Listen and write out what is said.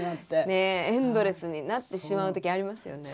ねえエンドレスになってしまう時ありますよね。